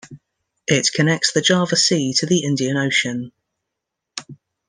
It connects the Java Sea to the Indian Ocean.